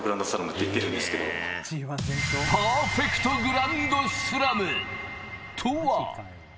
パーフェクトグランドスラムとは？